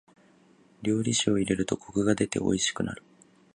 料理酒を入れるとコクが出ておいしくなる。